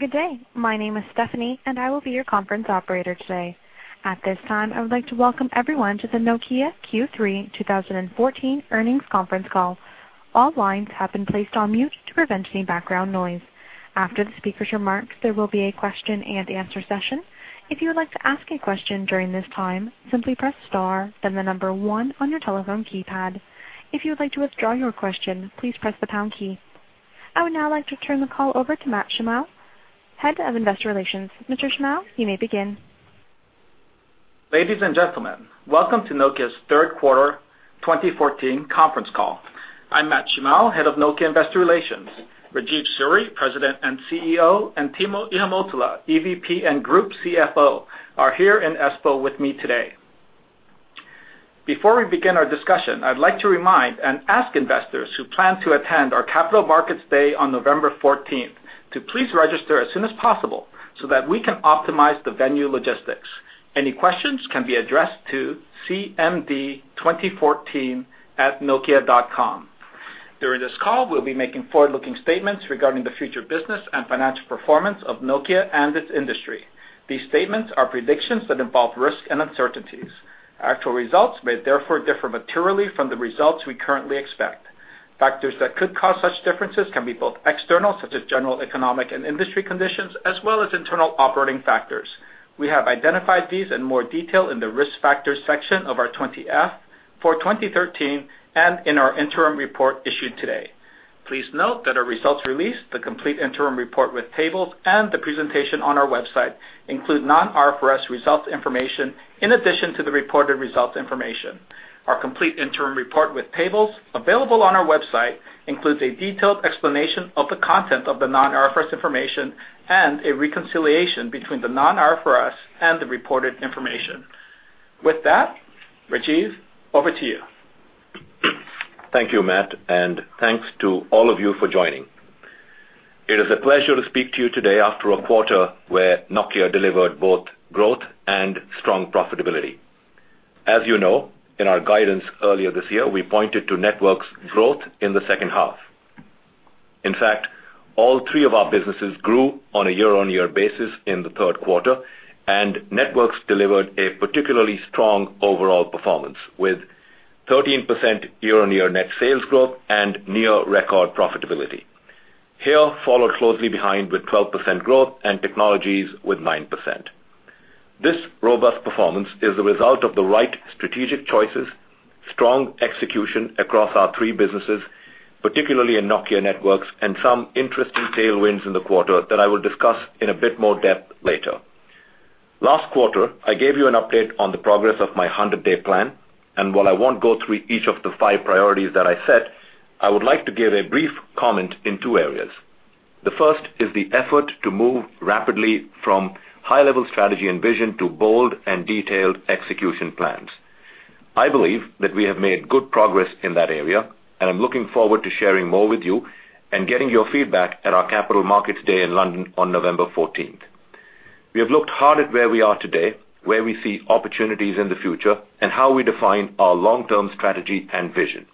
Good day. My name is Stephanie, and I will be your conference operator today. At this time, I would like to welcome everyone to the Nokia Q3 2014 earnings conference call. All lines have been placed on mute to prevent any background noise. After the speakers' remarks, there will be a question-and-answer session. If you would like to ask a question during this time, simply press star, then the number 1 on your telephone keypad. If you would like to withdraw your question, please press the pound key. I would now like to turn the call over to Matt Shimao, head of investor relations. Mr. Shimao, you may begin. Ladies and gentlemen, welcome to Nokia's Q3 2014 conference call. I'm Matt Shimao, Head of Investor Relations. Rajeev Suri, President and CEO, and Timo Ihamuotila, EVP and Group CFO, are here in Espoo with me today. Before we begin our discussion, I'd like to remind and ask investors who plan to attend our Capital Markets Day on November 14th to please register as soon as possible so that we can optimize the venue logistics. Any questions can be addressed to cmd2014@nokia.com. During this call, we'll be making forward-looking statements regarding the future business and financial performance of Nokia and its industry. These statements are predictions that involve risk and uncertainties. Actual results may therefore differ materially from the results we currently expect. Factors that could cause such differences can be both external, such as general economic and industry conditions, as well as internal operating factors. We have identified these in more detail in the risk factors section of our 20-F for 2013 and in our interim report issued today. Please note that our results release, the complete interim report with tables, and the presentation on our website include non-IFRS results information in addition to the reported results information. Our complete interim report with tables, available on our website, includes a detailed explanation of the content of the non-IFRS information and a reconciliation between the non-IFRS and the reported information. With that, Rajeev, over to you. Thank you, Matt, and thanks to all of you for joining. It is a pleasure to speak to you today after a quarter where Nokia delivered both growth and strong profitability. As you know, in our guidance earlier this year, we pointed to Networks growth in the second half. In fact, all three of our businesses grew on a year-on-year basis in the Q3, and Networks delivered a particularly strong overall performance with 13% year-on-year net sales growth and near-record profitability. HERE followed closely behind with 12% growth and Technologies with 9%. This robust performance is the result of the right strategic choices, strong execution across our three businesses, particularly in Nokia Networks, and some interesting tailwinds in the quarter that I will discuss in a bit more depth later. Last quarter, I gave you an update on the progress of my 100-day plan, and while I won't go through each of the five priorities that I set, I would like to give a brief comment in two areas. The first is the effort to move rapidly from high-level strategy and vision to bold and detailed execution plans. I believe that we have made good progress in that area, and I'm looking forward to sharing more with you and getting your feedback at our Capital Markets Day in London on November 14th. We have looked hard at where we are today, where we see opportunities in the future, and how we define our long-term strategy and vision.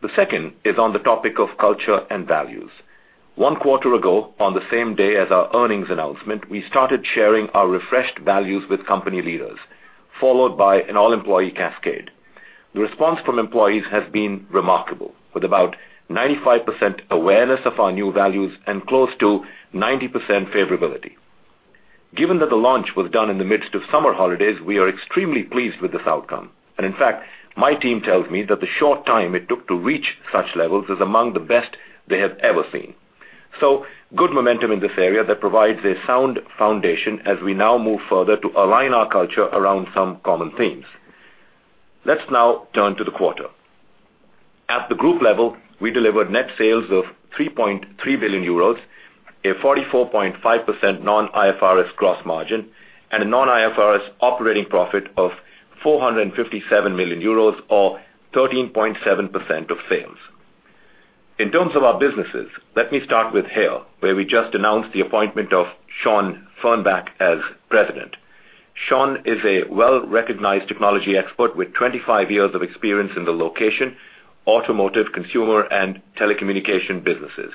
The second is on the topic of culture and values. One quarter ago, on the same day as our earnings announcement, we started sharing our refreshed values with company leaders, followed by an all-employee cascade. The response from employees has been remarkable, with about 95% awareness of our new values and close to 90% favorability. Given that the launch was done in the midst of summer holidays, we are extremely pleased with this outcome. In fact, my team tells me that the short time it took to reach such levels is among the best they have ever seen. Good momentum in this area that provides a sound foundation as we now move further to align our culture around some common themes. Let's now turn to the quarter. At the group level, we delivered net sales of 3.3 billion euros, a 44.5% Non-IFRS gross margin, and a Non-IFRS operating profit of 457 million euros or 13.7% of sales. In terms of our businesses, let me start with HERE, where we just announced the appointment of Sean Fernbach as president. Sean is a well-recognized technology expert with 25 years of experience in the location, automotive, consumer, and telecommunication businesses.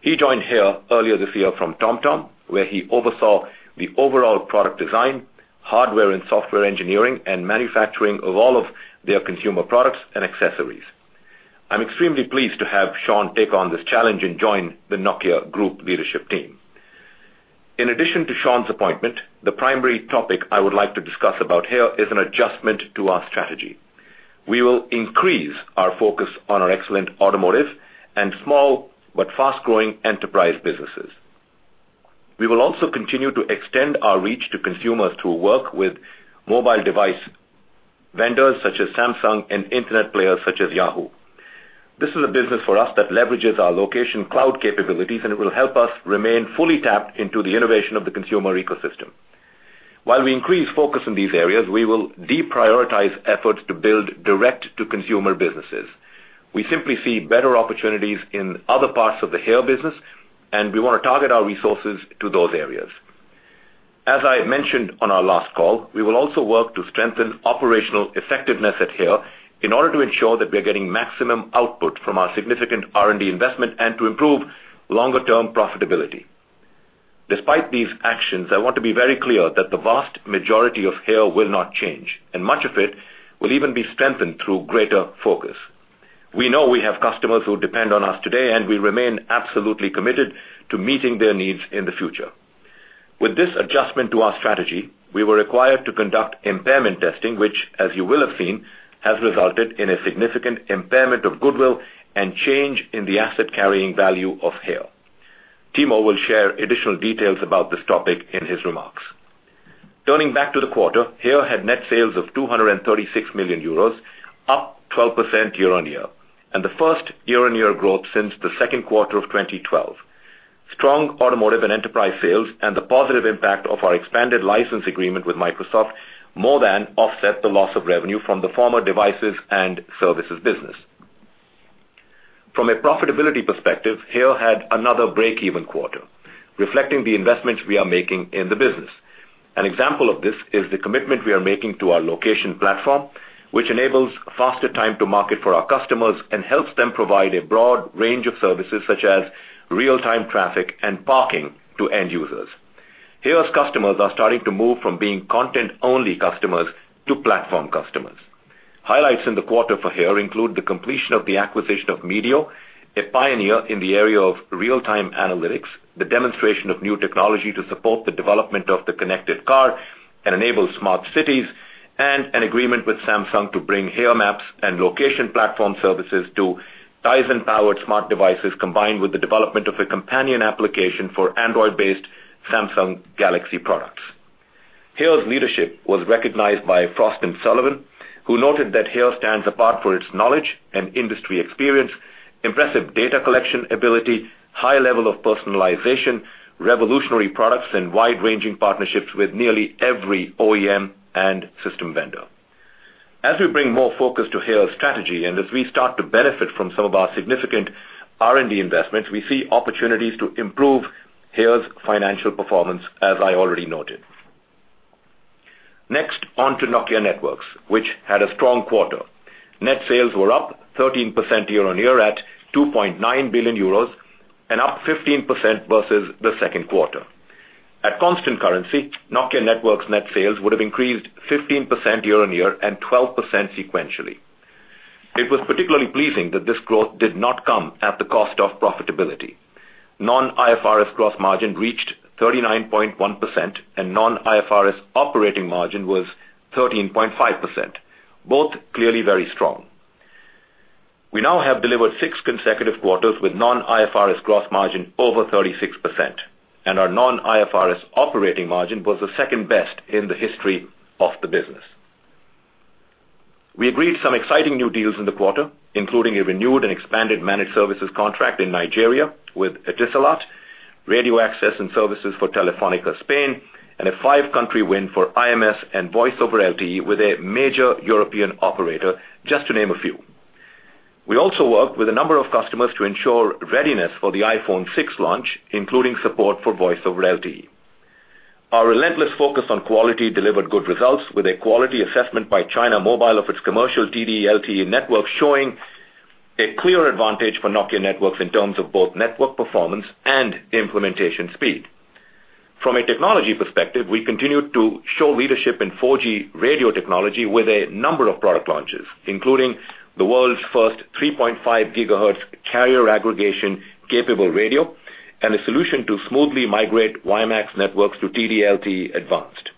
He joined HERE earlier this year from TomTom, where he oversaw the overall product design, hardware and software engineering, and manufacturing of all of their consumer products and accessories. I'm extremely pleased to have Sean take on this challenge and join the Nokia group leadership team. In addition to Sean's appointment, the primary topic I would like to discuss about HERE is an adjustment to our strategy. We will increase our focus on our excellent automotive and small but fast-growing enterprise businesses. We will also continue to extend our reach to consumers through work with mobile device vendors such as Samsung and internet players such as Yahoo. This is a business for us that leverages our location cloud capabilities, and it will help us remain fully tapped into the innovation of the consumer ecosystem. While we increase focus in these areas, we will deprioritize efforts to build direct-to-consumer businesses. We simply see better opportunities in other parts of the HERE business, and we want to target our resources to those areas. As I mentioned on our last call, we will also work to strengthen operational effectiveness at HERE in order to ensure that we are getting maximum output from our significant R&D investment and to improve longer-term profitability. Despite these actions, I want to be very clear that the vast majority of HERE will not change, and much of it will even be strengthened through greater focus. We know we have customers who depend on us today, and we remain absolutely committed to meeting their needs in the future. With this adjustment to our strategy, we were required to conduct impairment testing, which, as you will have seen, has resulted in a significant impairment of goodwill and change in the asset-carrying value of HERE. Timo will share additional details about this topic in his remarks. Turning back to the quarter, HERE had net sales of 236 million euros, up 12% year-on-year, and the first year-on-year growth since the Q2 of 2012. Strong automotive and enterprise sales and the positive impact of our expanded license agreement with Microsoft more than offset the loss of revenue from the former devices and services business. From a profitability perspective, HERE had another break-even quarter, reflecting the investments we are making in the business. An example of this is the commitment we are making to our location platform, which enables faster time-to-market for our customers and helps them provide a broad range of services such as real-time traffic and parking to end users. HERE's customers are starting to move from being content-only customers to platform customers. Highlights in the quarter for HERE include the completion of the acquisition of Medio, a pioneer in the area of real-time analytics, the demonstration of new technology to support the development of the connected car and enable smart cities, and an agreement with Samsung to bring HERE Maps and location platform services to Tizen-powered smart devices combined with the development of a companion application for Android-based Samsung Galaxy products. HERE's leadership was recognized by Frost & Sullivan, who noted that HERE stands apart for its knowledge and industry experience, impressive data collection ability, high level of personalization, revolutionary products, and wide-ranging partnerships with nearly every OEM and system vendor. As we bring more focus to HERE's strategy and as we start to benefit from some of our significant R&D investments, we see opportunities to improve HERE's financial performance, as I already noted. Next, on to Nokia Networks, which had a strong quarter. Net sales were up 13% year-on-year at 2.9 billion euros and up 15% versus the Q2. At constant currency, Nokia Networks net sales would have increased 15% year-on-year and 12% sequentially. It was particularly pleasing that this growth did not come at the cost of profitability. Non-IFRS gross margin reached 39.1%, and non-IFRS operating margin was 13.5%, both clearly very strong. We now have delivered six consecutive quarters with non-IFRS gross margin over 36%, and our non-IFRS operating margin was the second best in the history of the business. We agreed some exciting new deals in the quarter, including a renewed and expanded managed services contract in Nigeria with Etisalat, radio access and services for Telefónica Spain, and a five-country win for IMS and Voice over LTE with a major European operator, just to name a few. We also worked with a number of customers to ensure readiness for the iPhone 6 launch, including support for Voice over LTE. Our relentless focus on quality delivered good results with a quality assessment by China Mobile of its commercial TD-LTE network showing a clear advantage for Nokia Networks in terms of both network performance and implementation speed. From a technology perspective, we continued to show leadership in 4G radio technology with a number of product launches, including the world's first 3.5 GHz carrier aggregation-capable radio and a solution to smoothly migrate WiMAX networks to TD-LTE Advanced.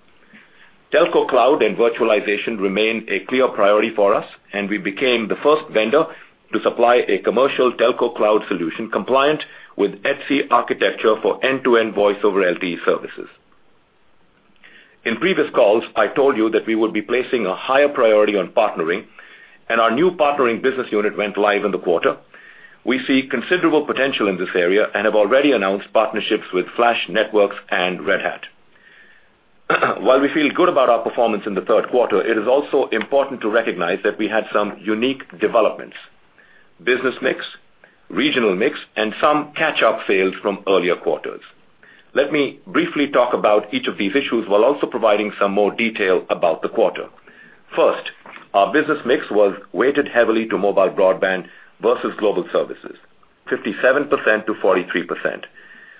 Telco cloud and virtualization remain a clear priority for us, and we became the first vendor to supply a commercial telco cloud solution compliant with ETSI architecture for end-to-end voice over LTE services. In previous calls, I told you that we would be placing a higher priority on partnering, and our new partnering business unit went live in the quarter. We see considerable potential in this area and have already announced partnerships with Flash Networks and Red Hat. While we feel good about our performance in the Q3, it is also important to recognize that we had some unique developments: business mix, regional mix, and some catch-up sales from earlier quarters. Let me briefly talk about each of these issues while also providing some more detail about the quarter. First, our business mix was weighted heavily to mobile broadband versus global services, 57%-43%.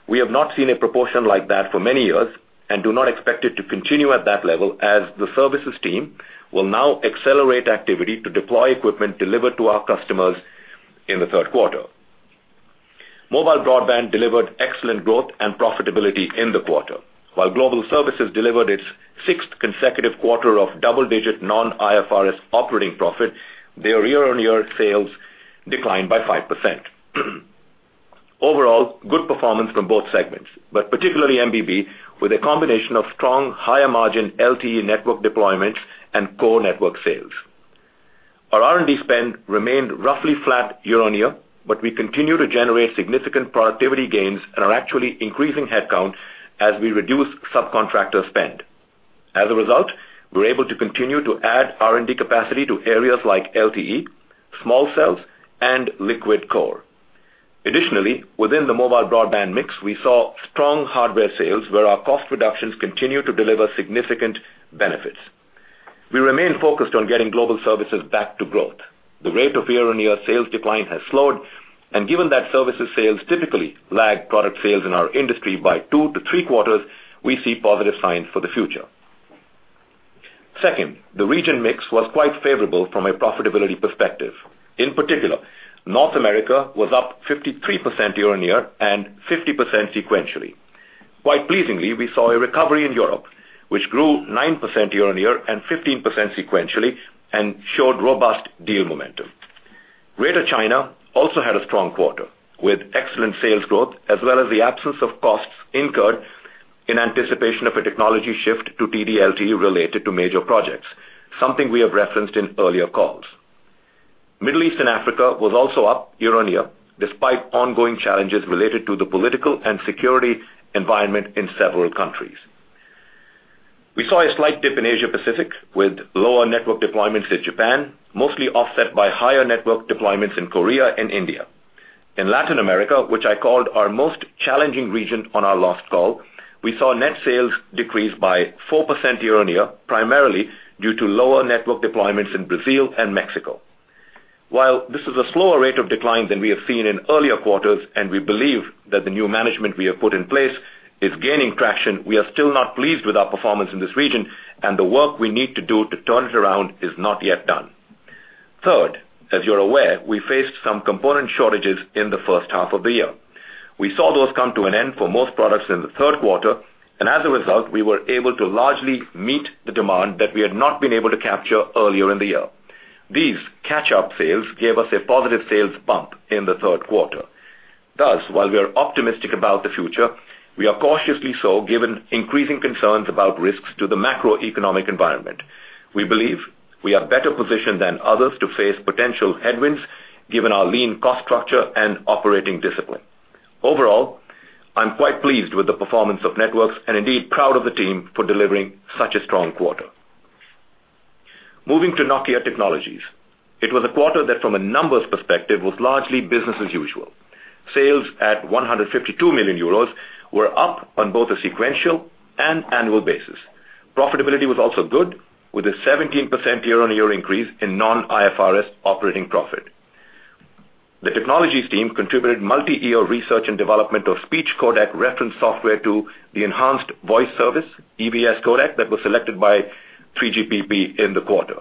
We have not seen a proportion like that for many years and do not expect it to continue at that level, as the services team will now accelerate activity to deploy equipment delivered to our customers in the Q3. Mobile broadband delivered excellent growth and profitability in the quarter. While global services delivered its sixth consecutive quarter of double-digit non-IFRS operating profit, their year-on-year sales declined by 5%. Overall, good performance from both segments, but particularly MBB with a combination of strong higher-margin LTE network deployments and core network sales. Our R&D spend remained roughly flat year-on-year, but we continue to generate significant productivity gains and are actually increasing headcount as we reduce subcontractor spend. As a result, we're able to continue to add R&D capacity to areas like LTE, small cells, and Liquid Core. Additionally, within the mobile broadband mix, we saw strong hardware sales where our cost reductions continue to deliver significant benefits. We remain focused on getting global services back to growth. The rate of year-on-year sales decline has slowed, and given that services sales typically lag product sales in our industry by two to three quarters, we see positive signs for the future. Second, the region mix was quite favorable from a profitability perspective. In particular, North America was up 53% year-on-year and 50% sequentially. Quite pleasingly, we saw a recovery in Europe, which grew 9% year-on-year and 15% sequentially and showed robust deal momentum. Greater China also had a strong quarter with excellent sales growth as well as the absence of costs incurred in anticipation of a technology shift to TD-LTE related to major projects, something we have referenced in earlier calls. Middle East and Africa was also up year-on-year despite ongoing challenges related to the political and security environment in several countries. We saw a slight dip in Asia-Pacific with lower network deployments in Japan, mostly offset by higher network deployments in Korea and India. In Latin America, which I called our most challenging region on our last call, we saw net sales decrease by 4% year-on-year, primarily due to lower network deployments in Brazil and Mexico. While this is a slower rate of decline than we have seen in earlier quarters, and we believe that the new management we have put in place is gaining traction, we are still not pleased with our performance in this region, and the work we need to do to turn it around is not yet done. Third, as you're aware, we faced some component shortages in the first half of the year. We saw those come to an end for most products in the Q3, and as a result, we were able to largely meet the demand that we had not been able to capture earlier in the year. These catch-up sales gave us a positive sales bump in the Q3. Thus, while we are optimistic about the future, we are cautiously so given increasing concerns about risks to the macroeconomic environment. We believe we are better positioned than others to face potential headwinds given our lean cost structure and operating discipline. Overall, I'm quite pleased with the performance of Networks and indeed proud of the team for delivering such a strong quarter. Moving to Nokia Technologies, it was a quarter that, from a numbers perspective, was largely business as usual. Sales at 152 million euros were up on both a sequential and annual basis. Profitability was also good with a 17% year-on-year increase in non-IFRS operating profit. The Technologies team contributed multi-year research and development of speech codec reference software to the enhanced voice service, EVS codec, that was selected by 3GPP in the quarter.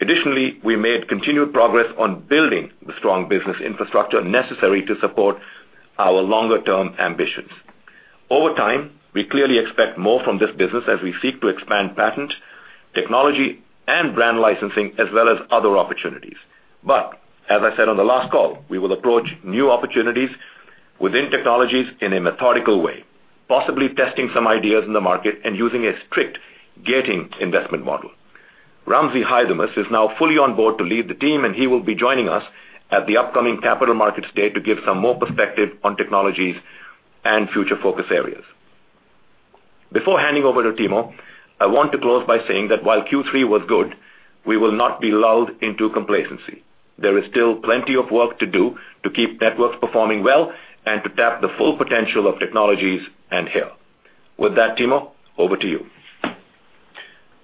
Additionally, we made continued progress on building the strong business infrastructure necessary to support our longer-term ambitions. Over time, we clearly expect more from this business as we seek to expand patent, technology, and brand licensing as well as other opportunities. But as I said on the last call, we will approach new opportunities within Technologies in a methodical way, possibly testing some ideas in the market and using a strict gating investment model. Ramzi Haidamus is now fully on board to lead the team, and he will be joining us at the upcoming Capital Markets Day to give some more perspective on Technologies and future focus areas. Before handing over to Timo, I want to close by saying that while Q3 was good, we will not be lulled into complacency. There is still plenty of work to do to keep Networks performing well and to tap the full potential of Technologies and HERE. With that, Timo, over to you.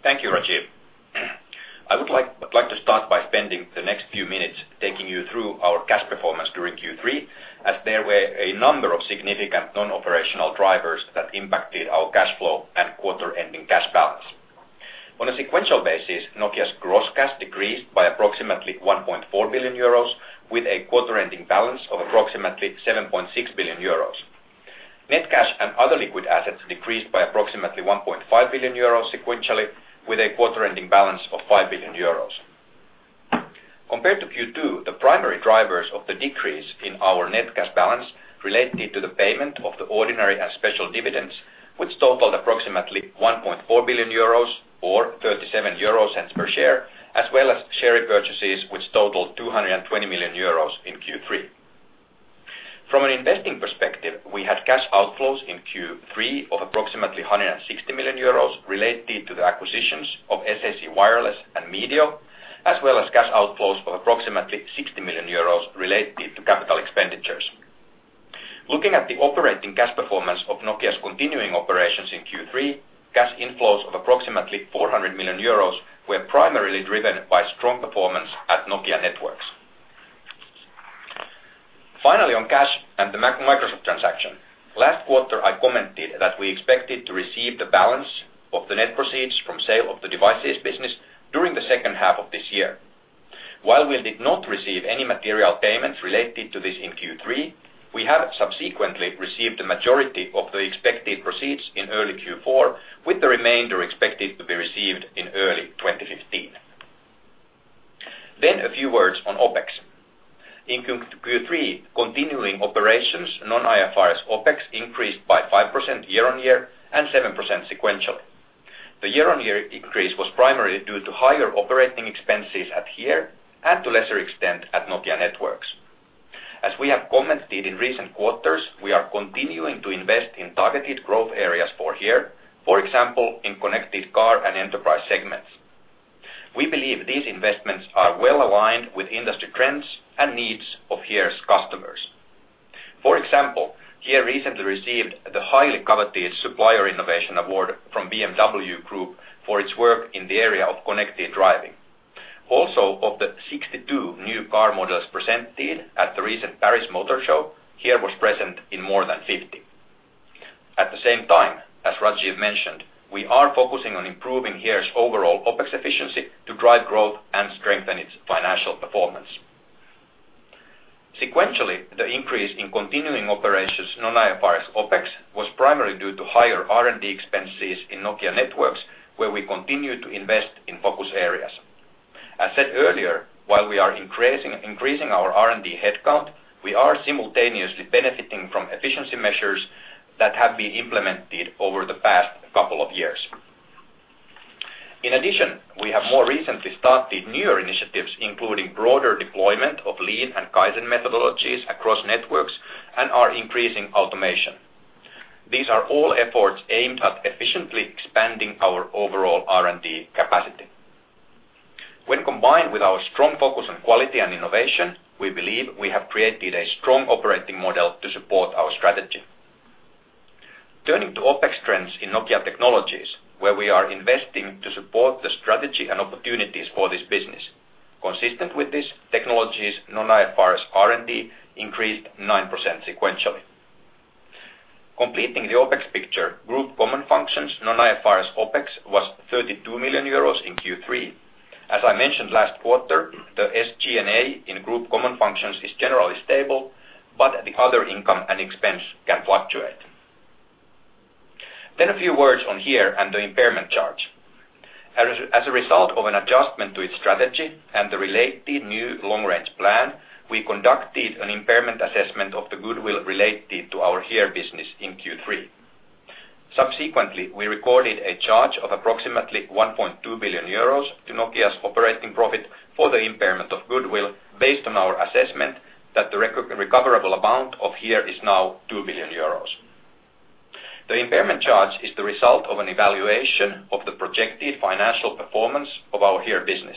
Thank you, Rajeev. I would like to start by spending the next few minutes taking you through our cash performance during Q3, as there were a number of significant non-operational drivers that impacted our cash flow and quarter-ending cash balance. On a sequential basis, Nokia's gross cash decreased by approximately 1.4 billion euros with a quarter-ending balance of approximately 7.6 billion euros. Net cash and other liquid assets decreased by approximately 1.5 billion euros sequentially with a quarter-ending balance of 5 billion euros. Compared to Q2, the primary drivers of the decrease in our net cash balance related to the payment of the ordinary and special dividends, which totaled approximately 1.4 billion euros or 37 euro per share, as well as share repurchases, which totaled 220 million euros in Q3. From an investing perspective, we had cash outflows in Q3 of approximately 160 million euros related to the acquisitions of SAC Wireless and Medio, as well as cash outflows of approximately 60 million euros related to capital expenditures. Looking at the operating cash performance of Nokia's continuing operations in Q3, cash inflows of approximately 400 million euros were primarily driven by strong performance at Nokia Networks. Finally, on cash and the Microsoft transaction, last quarter I commented that we expected to receive the balance of the net proceeds from sale of the devices business during the second half of this year. While we did not receive any material payments related to this in Q3, we have subsequently received the majority of the expected proceeds in early Q4, with the remainder expected to be received in early 2015. A few words on OpEx. In Q3, continuing operations non-IFRS OPEX increased by 5% year-on-year and 7% sequentially. The year-on-year increase was primarily due to higher operating expenses at HERE and to lesser extent at Nokia Networks. As we have commented in recent quarters, we are continuing to invest in targeted growth areas for HERE, for example, in connected car and enterprise segments. We believe these investments are well aligned with industry trends and needs of HERE's customers. For example, HERE recently received the highly coveted Supplier Innovation Award from BMW Group for its work in the area of connected driving. Also, of the 62 new car models presented at the recent Paris Motor Show, HERE was present in more than 50. At the same time, as Rajeev mentioned, we are focusing on improving HERE's overall OPEX efficiency to drive growth and strengthen its financial performance. Sequentially, the increase in continuing operations non-IFRS OPEX was primarily due to higher R&D expenses in Nokia Networks, where we continue to invest in focus areas. As said earlier, while we are increasing our R&D headcount, we are simultaneously benefiting from efficiency measures that have been implemented over the past couple of years. In addition, we have more recently started newer initiatives, including broader deployment of Lean and Kaizen methodologies across Networks and our increasing automation. These are all efforts aimed at efficiently expanding our overall R&D capacity. When combined with our strong focus on quality and innovation, we believe we have created a strong operating model to support our strategy. Turning to OPEX trends in Nokia Technologies, where we are investing to support the strategy and opportunities for this business, consistent with this, Technologies non-IFRS R&D increased 9% sequentially. Completing the OPEX picture, Group Common Functions Non-IFRS OPEX was 32 million euros in Q3. As I mentioned last quarter, the SG&A in Group Common Functions is generally stable, but the other income and expense can fluctuate. Then a few words on HERE and the impairment charge. As a result of an adjustment to its strategy and the related new long-range plan, we conducted an impairment assessment of the goodwill related to our HERE business in Q3. Subsequently, we recorded a charge of approximately 1.2 billion euros to Nokia's operating profit for the impairment of goodwill based on our assessment that the recoverable amount of HERE is now 2 billion euros. The impairment charge is the result of an evaluation of the projected financial performance of our HERE business.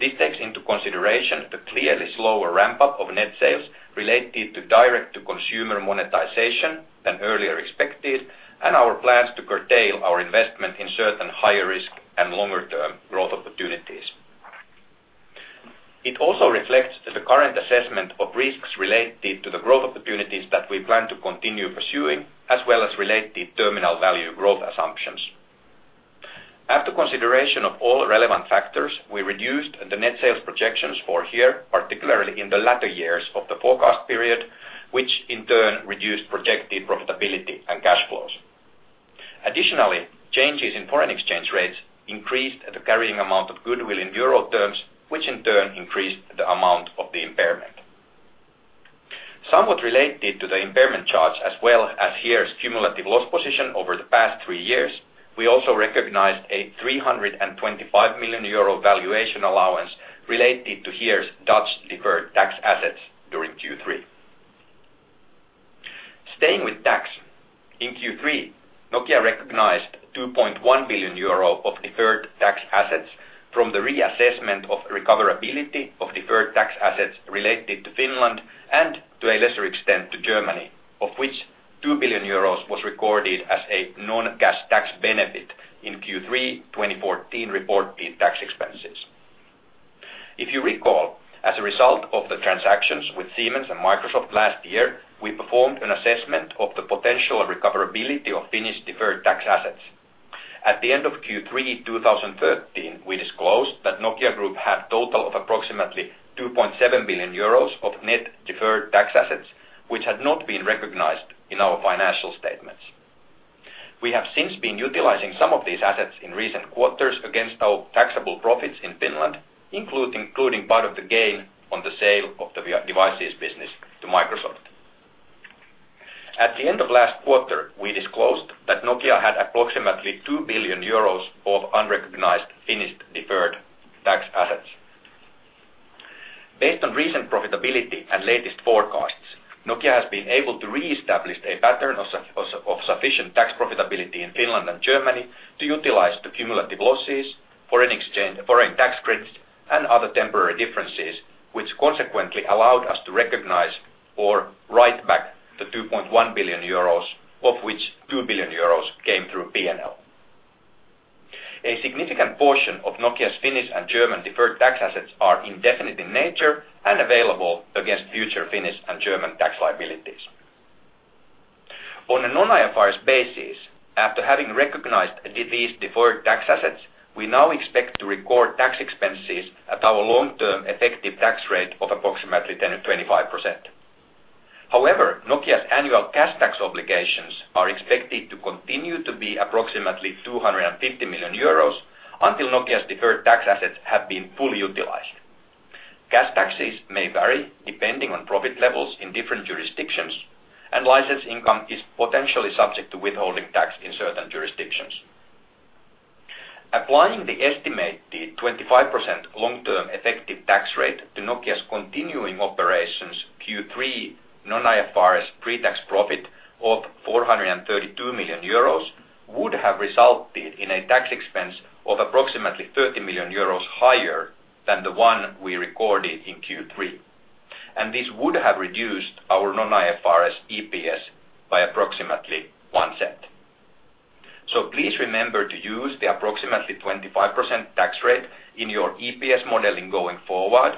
This takes into consideration the clearly slower ramp-up of net sales related to direct-to-consumer monetization than earlier expected and our plans to curtail our investment in certain higher risk and longer-term growth opportunities. It also reflects the current assessment of risks related to the growth opportunities that we plan to continue pursuing, as well as related terminal value growth assumptions. After consideration of all relevant factors, we reduced the net sales projections for HERE, particularly in the latter years of the forecast period, which in turn reduced projected profitability and cash flows. Additionally, changes in foreign exchange rates increased the carrying amount of goodwill in euro terms, which in turn increased the amount of the impairment. Somewhat related to the impairment charge as well as HERE's cumulative loss position over the past three years, we also recognized a 325 million euro valuation allowance related to HERE's Dutch deferred tax assets during Q3. Staying with tax, in Q3, Nokia recognized 2.1 billion euro of deferred tax assets from the reassessment of recoverability of deferred tax assets related to Finland and to a lesser extent to Germany, of which 2 billion euros was recorded as a non-cash tax benefit in Q3 2014 reported tax expenses. If you recall, as a result of the transactions with Siemens and Microsoft last year, we performed an assessment of the potential recoverability of Finnish deferred tax assets. At the end of Q3 2013, we disclosed that Nokia Group had a total of approximately 2.7 billion euros of net deferred tax assets, which had not been recognized in our financial statements. We have since been utilizing some of these assets in recent quarters against our taxable profits in Finland, including part of the gain on the sale of the devices business to Microsoft. At the end of last quarter, we disclosed that Nokia had approximately 2 billion euros of unrecognized Finnish deferred tax assets. Based on recent profitability and latest forecasts, Nokia has been able to reestablish a pattern of sufficient tax profitability in Finland and Germany to utilize the cumulative losses, foreign exchange, foreign tax credits, and other temporary differences, which consequently allowed us to recognize or write back the 2.1 billion euros, of which 2 billion euros came through P&L. A significant portion of Nokia's Finnish and German deferred tax assets are indefinite in nature and available against future Finnish and German tax liabilities. On a non-IFRS basis, after having recognized these deferred tax assets, we now expect to record tax expenses at our long-term effective tax rate of approximately 10%-25%. However, Nokia's annual cash tax obligations are expected to continue to be approximately 250 million euros until Nokia's deferred tax assets have been fully utilized. Cash taxes may vary depending on profit levels in different jurisdictions, and license income is potentially subject to withholding tax in certain jurisdictions. Applying the estimated 25% long-term effective tax rate to Nokia's continuing operations Q3 non-IFRS pre-tax profit of 432 million euros would have resulted in a tax expense of approximately 30 million euros higher than the one we recorded in Q3, and this would have reduced our non-IFRS EPS by approximately one cent. So please remember to use the approximately 25% tax rate in your EPS modeling going forward,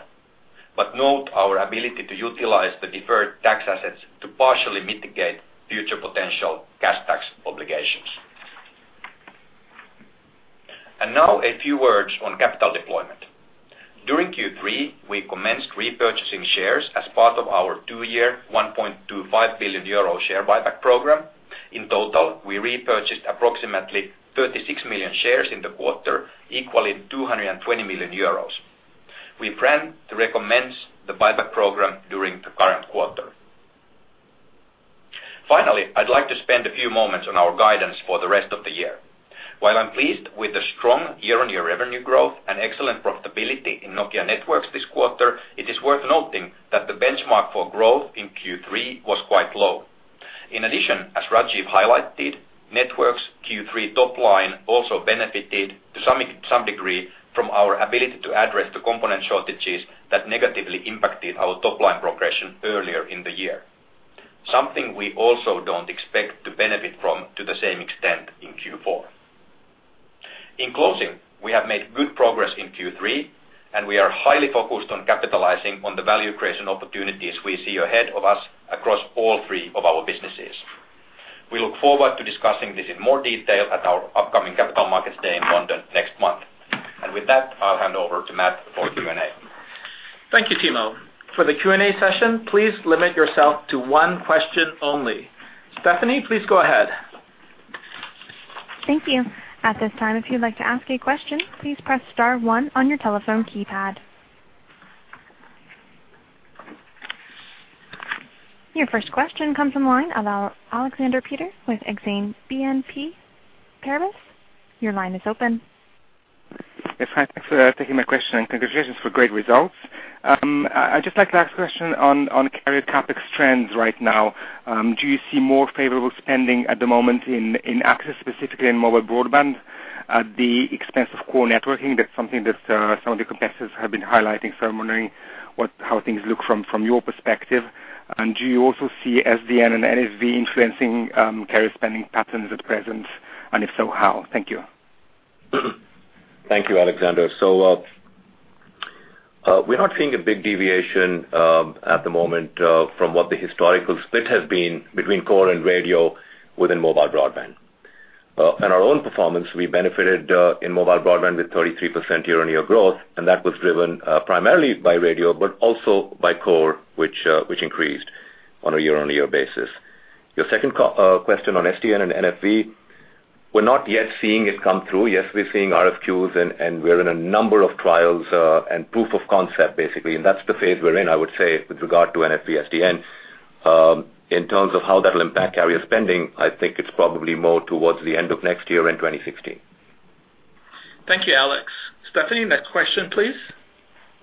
but note our ability to utilize the deferred tax assets to partially mitigate future potential cash tax obligations. Now a few words on capital deployment. During Q3, we commenced repurchasing shares as part of our two-year 1.25 billion euro share buyback program. In total, we repurchased approximately 36 million shares in the quarter, equaling 220 million euros. We plan to recommend the buyback program during the current quarter. Finally, I'd like to spend a few moments on our guidance for the rest of the year. While I'm pleased with the strong year-on-year revenue growth and excellent profitability in Nokia Networks this quarter, it is worth noting that the benchmark for growth in Q3 was quite low. In addition, as Rajeev highlighted, Networks Q3 top line also benefited to some degree from our ability to address the component shortages that negatively impacted our top line progression earlier in the year, something we also don't expect to benefit from to the same extent in Q4. In closing, we have made good progress in Q3, and we are highly focused on capitalizing on the value creation opportunities we see ahead of us across all three of our businesses. We look forward to discussing this in more detail at our upcoming Capital Markets Day in London next month. With that, I'll hand over to Matt for Q&A. Thank you, Timo. For the Q&A session, please limit yourself to one question only. Stephanie, please go ahead. Thank you. At this time, if you'd like to ask a question, please press star one on your telephone keypad. Your first question comes online about Alexander Peterc with Exane BNP Paribas. Your line is open. Thanks for taking my question and congratulations for great results. I'd just like to ask a question on current CapEx trends right now. Do you see more favorable spending at the moment in access, specifically in mobile broadband at the expense of core networking? That's something that some of the competitors have been highlighting. So I'm wondering how things look from your perspective. And do you also see SDN and NFV influencing current spending patterns at present, and if so, how? Thank you. Thank you, Alexander. So we're not seeing a big deviation at the moment from what the historical split has been between core and radio within mobile broadband. In our own performance, we benefited in mobile broadband with 33% year-on-year growth, and that was driven primarily by radio but also by core, which increased on a year-on-year basis. Your second question on SDN and NFV, we're not yet seeing it come through. Yes, we're seeing RFQs, and we're in a number of trials and proof of concept, basically. And that's the phase we're in, I would say, with regard to NFV SDN. In terms of how that will impact carrier spending, I think it's probably more towards the end of next year and 2016. Thank you, Alex. Stephanie, next question, please.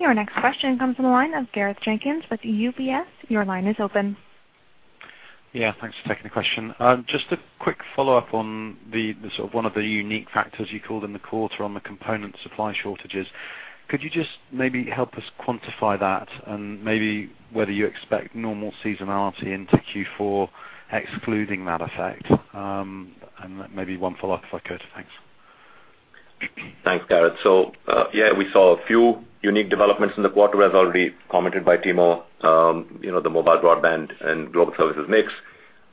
Your next question comes on the line of Gareth Jenkins with UBS. Your line is open. Yeah. Thanks for taking the question. Just a quick follow-up on sort of one of the unique factors you called in the quarter on the component supply shortages. Could you just maybe help us quantify that and maybe whether you expect normal seasonality into Q4 excluding that effect? And maybe one follow-up if I could. Thanks. Thanks, Gareth. So yeah, we saw a few unique developments in the quarter, as already commented by Timo: the mobile broadband and global services mix,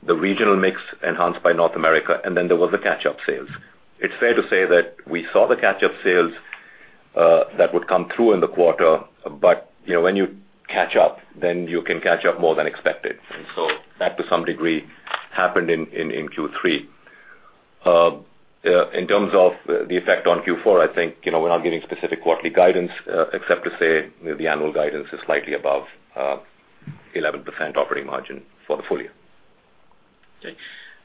the regional mix enhanced by North America, and then there was a catch-up sales. It's fair to say that we saw the catch-up sales that would come through in the quarter, but when you catch up, then you can catch up more than expected. And so that, to some degree, happened in Q3. In terms of the effect on Q4, I think we're not giving specific quarterly guidance except to say the annual guidance is slightly above 11% operating margin for the full year. Okay.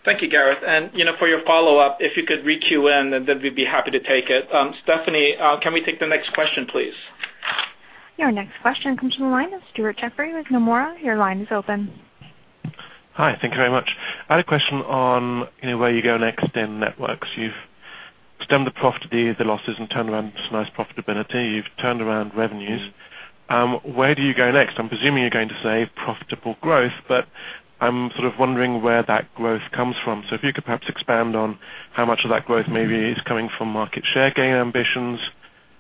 Thank you, Gareth. And for your follow-up, if you could requeue in, then we'd be happy to take it. Stephanie, can we take the next question, please? Your next question comes on the line of Stuart Jeffrey with Nomura. Your line is open. Hi. Thank you very much. I had a question on where you go next in Networks. You've stemmed the profitability, the losses, and turned around some nice profitability. You've turned around revenues. Where do you go next? I'm presuming you're going to say profitable growth, but I'm sort of wondering where that growth comes from. So if you could perhaps expand on how much of that growth maybe is coming from market share gain ambitions,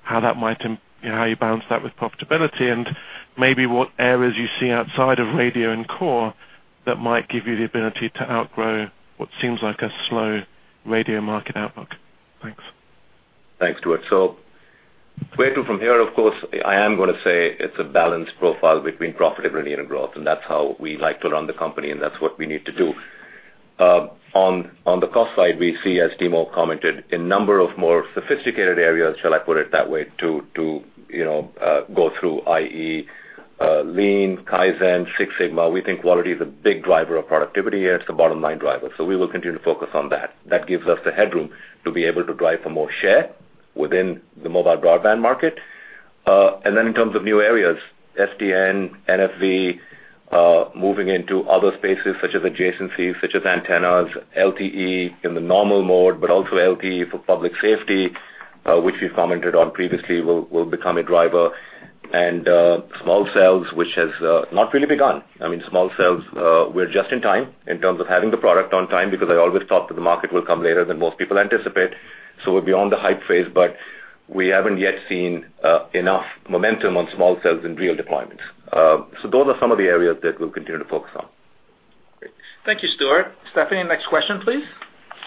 how you balance that with profitability, and maybe what areas you see outside of radio and core that might give you the ability to outgrow what seems like a slow radio market outlook. Thanks. Thanks, Stuart. So where to from here, of course, I am going to say it's a balanced profile between profitability and growth, and that's how we like to run the company, and that's what we need to do. On the cost side, we see, as Timo commented, a number of more sophisticated areas, shall I put it that way, to go through, i.e., Lean, Kaizen, Six Sigma. We think quality is a big driver of productivity, and it's the bottom-line driver. So we will continue to focus on that. That gives us the headroom to be able to drive for more share within the mobile broadband market. And then in terms of new areas, SDN, NFV, moving into other spaces such as adjacencies, such as antennas, LTE in the normal mode, but also LTE for public safety, which we've commented on previously, will become a driver, and small cells, which has not really begun. I mean, small cells, we're just in time in terms of having the product on time because I always thought that the market will come later than most people anticipate. So we're beyond the hype phase, but we haven't yet seen enough momentum on small cells in real deployments. So those are some of the areas that we'll continue to focus on. Great. Thank you, Stuart. Stephanie, next question, please.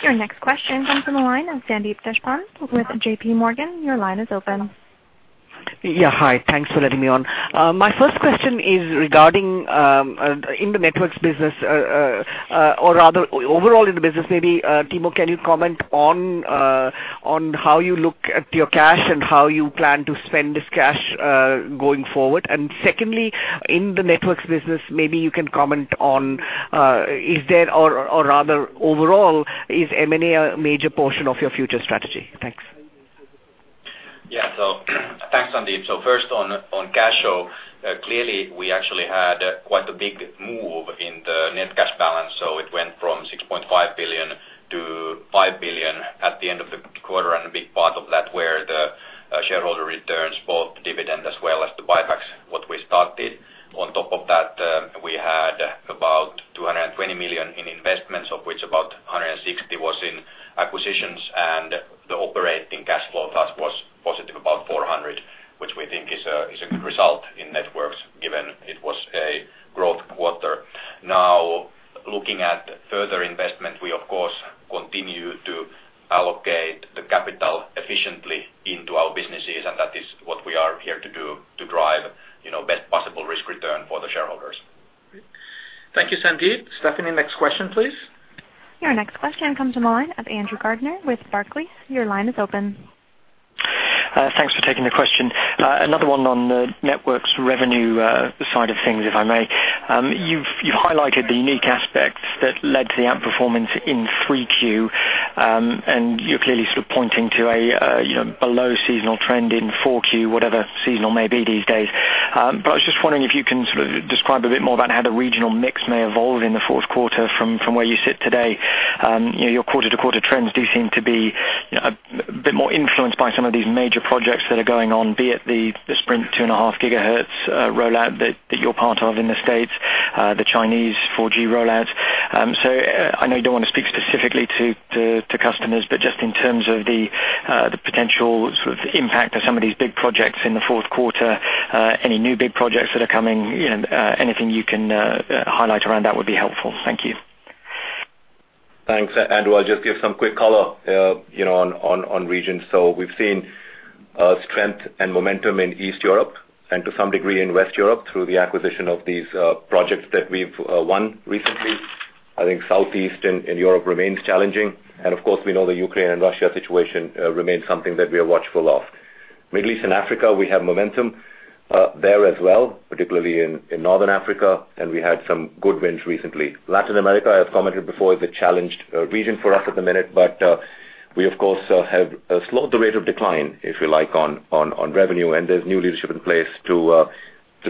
Your next question comes on the line of Sandeep Deshpande with JP Morgan. Your line is open. Yeah. Hi. Thanks for letting me on. My first question is regarding in the Networks business, or rather overall in the business, maybe, Timo, can you comment on how you look at your cash and how you plan to spend this cash going forward? And secondly, in the Networks business, maybe you can comment on is there, or rather overall, is M&A a major portion of your future strategy? Thanks. Yeah. So thanks, Sandeep. So first, on cash flow, clearly, we actually had quite a big move in the net cash balance. So it went from 6.5 billion to 5 billion at the end of the quarter, and a big part of that were the shareholder returns, both dividend as well as the buybacks, what we started. On top of that, we had about 220 million in investments, of which about 160 million was in acquisitions, and the operating cash flow thus was positive, about 400 million, which we think is a good result in Networks given it was a growth quarter. Now, looking at further investment, we, of course, continue to allocate the capital efficiently into our businesses, and that is what we are here to do, to drive best possible risk return for the shareholders. Great. Thank you, Sandeep. Stephanie, next question, please. Your next question comes on the line of Andrew Gardner with Barclays. Your line is open. Thanks for taking the question. Another one on the Networks revenue side of things, if I may. You've highlighted the unique aspects that led to the outperformance in 3Q, and you're clearly sort of pointing to a below-seasonal trend in 4Q, whatever seasonal may be these days. But I was just wondering if you can sort of describe a bit more about how the regional mix may evolve in the Q4 from where you sit today. Your quarter-to-quarter trends do seem to be a bit more influenced by some of these major projects that are going on, be it the Sprint 2.5 GHz rollout that you're part of in the States, the Chinese 4G rollouts. So I know you don't want to speak specifically to customers, but just in terms of the potential sort of impact of some of these big projects in the Q4, any new big projects that are coming, anything you can highlight around that would be helpful? Thank you. Thanks, Andrew. I'll just give some quick color on regions. So we've seen strength and momentum in East Europe and, to some degree, in West Europe through the acquisition of these projects that we've won recently. I think Southeast in Europe remains challenging. And of course, we know the Ukraine and Russia situation remains something that we are watchful of. Middle East and Africa, we have momentum there as well, particularly in Northern Africa, and we had some good wins recently. Latin America, as commented before, is a challenged region for us at the minute, but we, of course, have slowed the rate of decline, if you like, on revenue, and there's new leadership in place to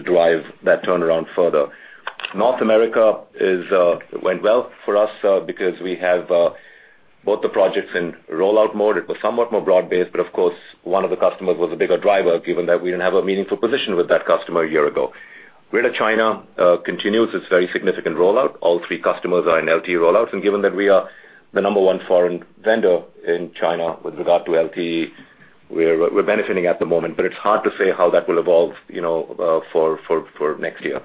drive that turnaround further. North America went well for us because we have both the projects in rollout mode. It was somewhat more broad-based, but of course, one of the customers was a bigger driver given that we didn't have a meaningful position with that customer a year ago. Greater China continues its very significant rollout. All three customers are in LTE rollouts. And given that we are the number 1 foreign vendor in China with regard to LTE, we're benefiting at the moment, but it's hard to say how that will evolve for next year.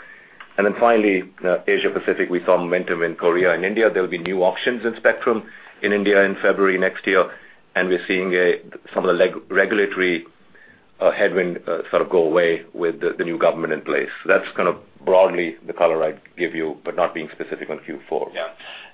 And then finally, Asia-Pacific, we saw momentum in Korea and India. There'll be new options in spectrum in India in February next year, and we're seeing some of the regulatory headwind sort of go away with the new government in place. That's kind of broadly the color I'd give you, but not being specific on Q4. Yeah.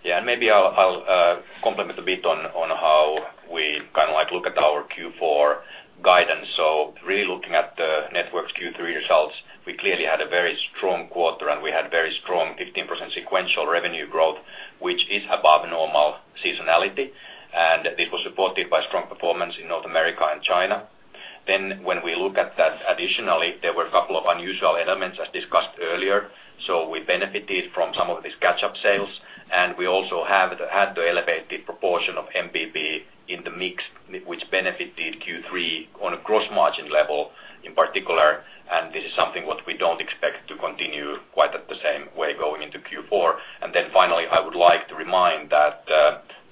Yeah.Maybe I'll comment a bit on how we kind of look at our Q4 guidance. So really looking at the Networks Q3 results, we clearly had a very strong quarter, and we had very strong 15% sequential revenue growth, which is above normal seasonality. And this was supported by strong performance in North America and China. Then when we look at that additionally, there were a couple of unusual elements, as discussed earlier. So we benefited from some of these catch-up sales, and we also had the elevated proportion of MBB in the mix, which benefited Q3 on a gross margin level in particular. And this is something what we don't expect to continue quite the same way going into Q4. And then finally, I would like to remind that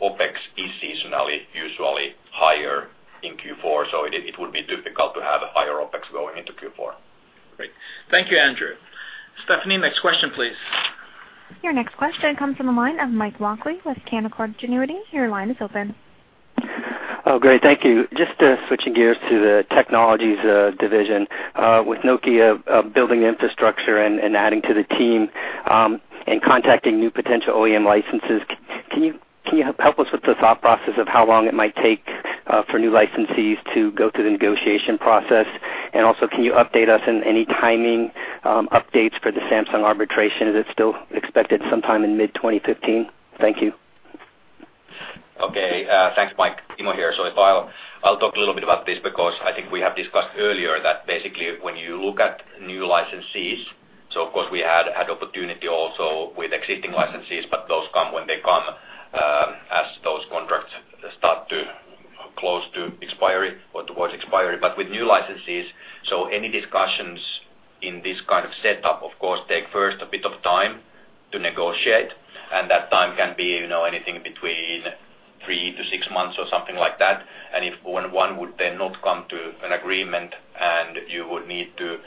OpEx is seasonally usually higher in Q4, so it would be typical to have a higher OpEx going into Q4. Great. Thank you, Andrew. Stephanie, next question, please. Your next question comes on the line of Mike Walkley with Canaccord Genuity. Your line is open. Oh, great. Thank you. Just switching gears to the Technologies division. With Nokia building infrastructure and adding to the team and contacting new potential OEM licenses, can you help us with the thought process of how long it might take for new licensees to go through the negotiation process? And also, can you update us on any timing updates for the Samsung arbitration? Is it still expected sometime in mid-2015? Thank you. Okay. Thanks, Mike. Timo here. So I'll talk a little bit about this because I think we have discussed earlier that basically when you look at new licensees so of course, we had opportunity also with existing licensees, but those come when they come as those contracts start to close to expiry or towards expiry. But with new licensees, so any discussions in this kind of setup, of course, take first a bit of time to negotiate, and that time can be anything between 3-6 months or something like that. And if one would then not come to an agreement and you would need to,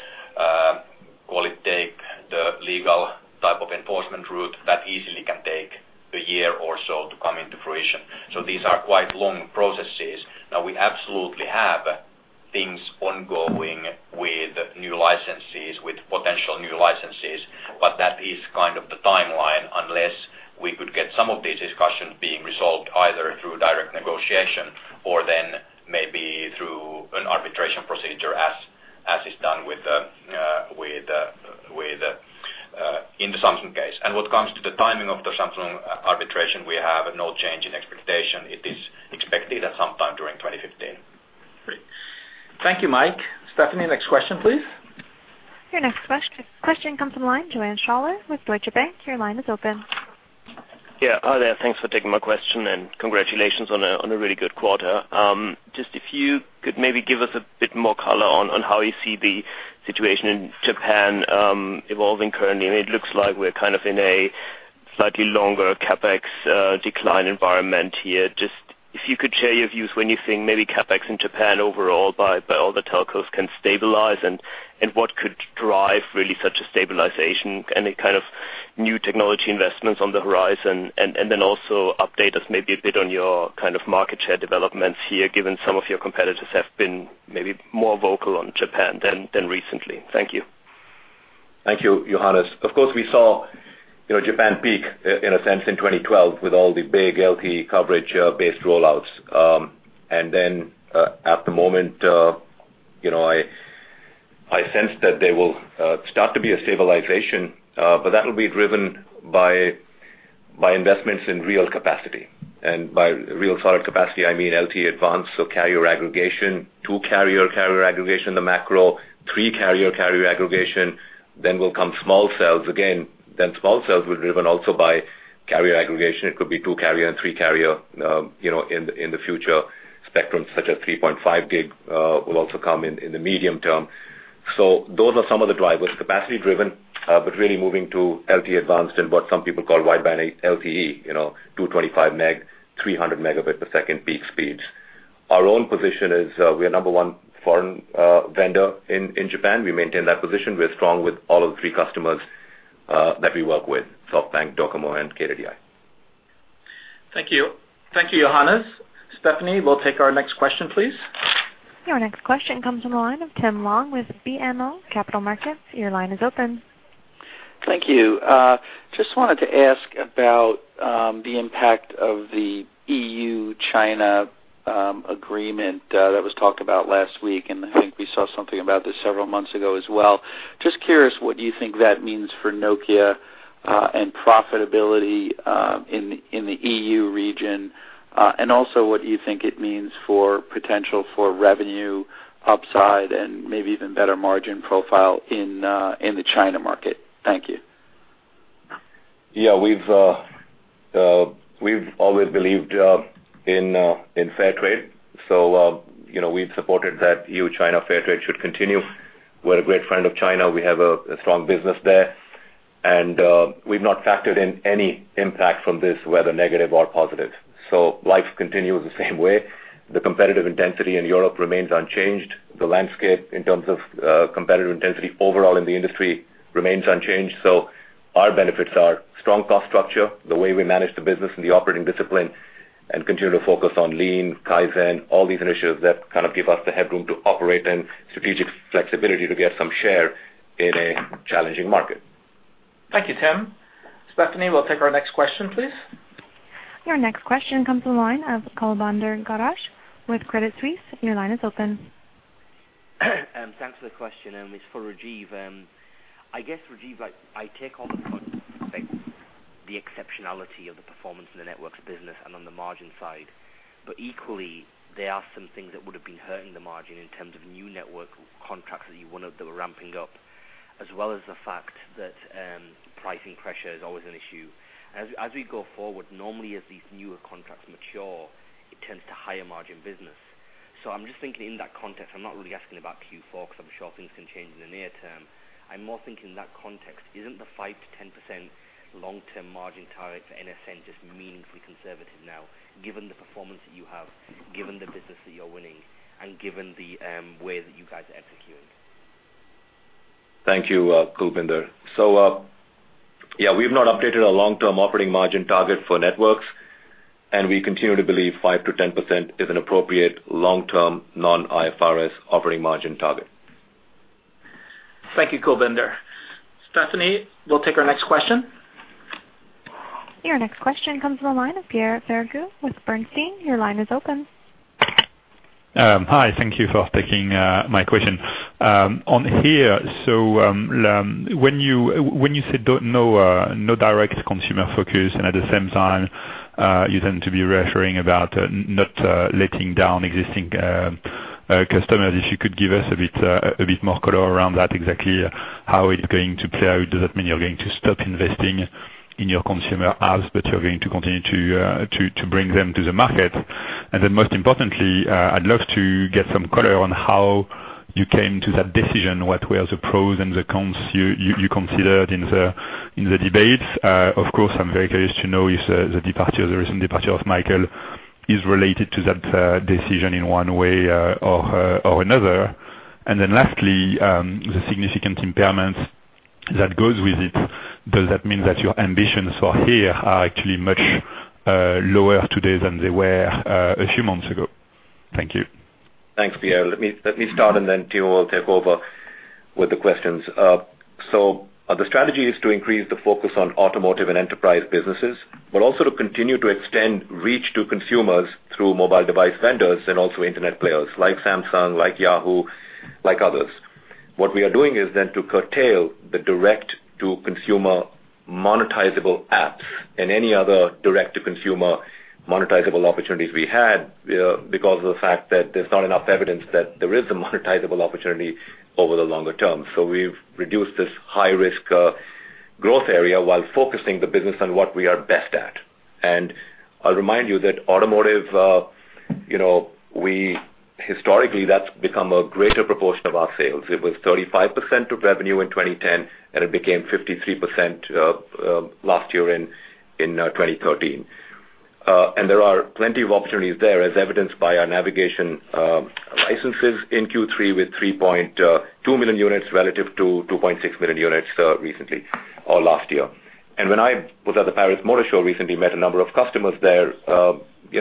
call it, take the legal type of enforcement route, that easily can take a year or so to come into fruition. So these are quite long processes. Now, we absolutely have things ongoing with new licensees, with potential new licensees, but that is kind of the timeline unless we could get some of these discussions being resolved either through direct negotiation or then maybe through an arbitration procedure as is done with the in the Samsung case. And what comes to the timing of the Samsung arbitration, we have no change in expectation. It is expected at some time during 2015. Great. Thank you, Mike. Stephanie, next question, please. Your next question comes on the line. Johannes Schaller with Deutsche Bank. Your line is open. Yeah. Hi there. Thanks for taking my question, and congratulations on a really good quarter. Just if you could maybe give us a bit more color on how you see the situation in Japan evolving currently. I mean, it looks like we're kind of in a slightly longer CapEx decline environment here. Just if you could share your views when you think maybe CapEx in Japan overall by all the telcos can stabilize, and what could drive really such a stabilization, any kind of new technology investments on the horizon, and then also update us maybe a bit on your kind of market share developments here given some of your competitors have been maybe more vocal on Japan than recently. Thank you. Thank you, Johannes. Of course, we saw Japan peak, in a sense, in 2012 with all the big LTE coverage-based rollouts. Then at the moment, I sense that there will start to be a stabilization, but that will be driven by investments in real capacity. And by real solid capacity, I mean LTE-Advanced, so carrier aggregation, two-carrier carrier aggregation, the macro, three-carrier carrier aggregation. Then will come small cells. Again, then small cells will be driven also by carrier aggregation. It could be two-carrier and three-carrier in the future spectrums, such as 3.5 GHz will also come in the medium term. So those are some of the drivers, capacity-driven, but really moving to LTE-Advanced and what some people call wideband LTE, 225 Mbps, 300 Mbps peak speeds. Our own position is we are number one foreign vendor in Japan. We maintain that position. We're strong with all of the three customers that we work with: SoftBank, Docomo, and KDDI. Thank you. Thank you, Johannes. Stephanie, we'll take our next question, please. Your next question comes on the line of Tim Long with BMO Capital Markets. Your line is open. Thank you. Just wanted to ask about the impact of the EU-China agreement that was talked about last week, and I think we saw something about this several months ago as well. Just curious what you think that means for Nokia and profitability in the EU region, and also what you think it means for potential for revenue upside and maybe even better margin profile in the China market. Thank you. Yeah. We've always believed in fair trade, so we've supported that E.U.-China fair trade should continue. We're a great friend of China. We have a strong business there, and we've not factored in any impact from this, whether negative or positive. So life continues the same way. The competitive intensity in Europe remains unchanged. The landscape in terms of competitive intensity overall in the industry remains unchanged. So our benefits are strong cost structure, the way we manage the business and the operating discipline, and continue to focus on Lean, Kaizen, all these initiatives that kind of give us the headroom to operate and strategic flexibility to get some share in a challenging market. Thank you, Tim. Stephanie, we'll take our next question, please. Your next question comes on the line of Kulbinder Garcha with Credit Suisse. Your line is open. Thanks for the question, and it's for Rajeev. I guess, Rajeev, I take all the exceptionality of the performance in the Networks business and on the margin side, but equally, there are some things that would have been hurting the margin in terms of new network contracts that were ramping up, as well as the fact that pricing pressure is always an issue. And as we go forward, normally, as these newer contracts mature, it tends to higher margin business. So I'm just thinking in that context I'm not really asking about Q4 because I'm sure things can change in the near term. I'm more thinking in that context, isn't the 5%-10% long-term margin target for NSN just meaningfully conservative now given the performance that you have, given the business that you're winning, and given the way that you guys are executing? Thank you, Kulbinder. So yeah, we've not updated our long-term operating margin target for Networks, and we continue to believe 5%-10% is an appropriate long-term non-IFRS operating margin target. Thank you, Kulbinder. Stephanie, we'll take our next question. Your next question comes on the line of Pierre Ferragu with Bernstein. Your line is open. Hi. Thank you for taking my question. On HERE, so when you say no direct consumer focus and at the same time you tend to be reassuring about not letting down existing customers, if you could give us a bit more color around that, exactly how it's going to play out? Does that mean you're going to stop investing in your consumer ads, but you're going to continue to bring them to the market? And then most importantly, I'd love to get some color on how you came to that decision, what were the pros and the cons you considered in the debates? Of course, I'm very curious to know if the recent departure of Michael is related to that decision in one way or another. And then lastly, the significant impairments that goes with it, does that mean that your ambitions for HERE are actually much lower today than they were a few months ago? Thank you. Thanks, Pierre. Let me start, and then Tim will take over with the questions. So the strategy is to increase the focus on automotive and enterprise businesses, but also to continue to extend reach to consumers through mobile device vendors and also internet players like Samsung, like Yahoo, like others. What we are doing is then to curtail the direct-to-consumer monetizable apps and any other direct-to-consumer monetizable opportunities we had because of the fact that there's not enough evidence that there is a monetizable opportunity over the longer term. So we've reduced this high-risk growth area while focusing the business on what we are best at. And I'll remind you that automotive, historically, that's become a greater proportion of our sales. It was 35% of revenue in 2010, and it became 53% last year in 2013. And there are plenty of opportunities there, as evidenced by our navigation licenses in Q3 with 3.2 million units relative to 2.6 million units recently or last year. And when I was at the Paris Motor Show recently, met a number of customers there.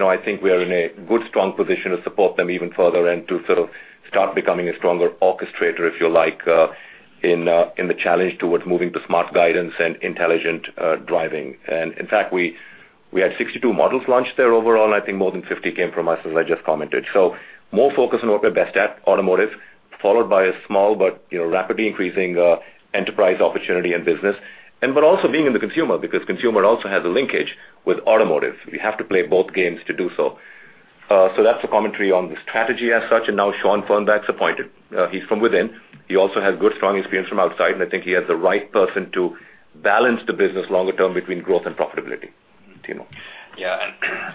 I think we are in a good, strong position to support them even further and to sort of start becoming a stronger orchestrator, if you like, in the challenge towards moving to smart guidance and intelligent driving. And in fact, we had 62 models launched there overall. I think more than 50 came from us, as I just commented. So more focus on what we're best at, automotive, followed by a small but rapidly increasing enterprise opportunity and business, but also being in the consumer because consumer also has a linkage with automotive. You have to play both games to do so. So that's a commentary on the strategy as such. And now Sean Fernbach's appointed. He's from within. He also has good, strong experience from outside, and I think he has the right person to balance the business longer term between growth and profitability, Timo. Yeah.